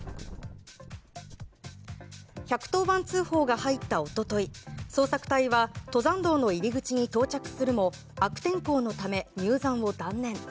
１１０番通報が入った一昨日捜索隊は登山道の入り口に到着するも悪天候のために入山を断念。